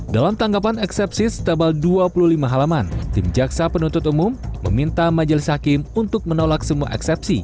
dalam tanggapan eksepsi setabal dua puluh lima halaman tim jaksa penuntut umum meminta majelis hakim untuk menolak semua eksepsi